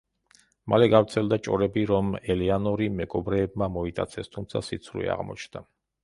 მალე გავრცელდა ჭორები, რომ ელეანორი მეკობრეებმა მოიტაცეს, თუმცა სიცრუე აღმოჩნდა.